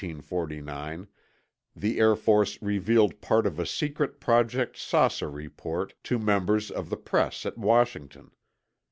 On December 30, 1949, the Air Force revealed part of a secret Project "Saucer" report to members of the press at Washington.